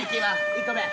１個目。